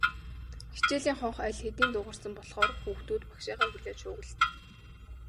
Хичээлийн хонх аль хэдийн дуугарсан болохоор хүүхдүүд багшийгаа хүлээн шуугилдана.